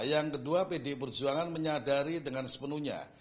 yang kedua pdi perjuangan menyadari dengan sepenuhnya